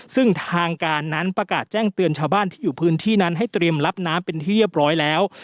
ซึ่งทางการนั้นประกาศแจ้งเตือนชาวบ้านที่อยู่พื้นที่นั้นให้เตรียมรับน้ำเป็นที่เรียบร้อยแล้ว